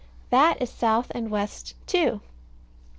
That is south and west too.